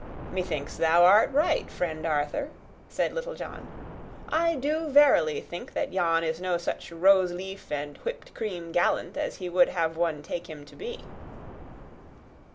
"Methinks thou art right, friend Arthur," said Little John. "I do verily think that yon is no such roseleaf and whipped cream gallant as he would have one take him to be."